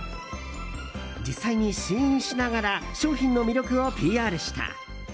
実際に試飲しながら商品の魅力をＰＲした。